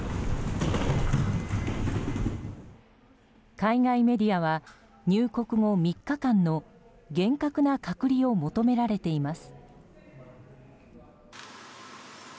海外メディアは入国後３日間の厳格な隔離を求められています。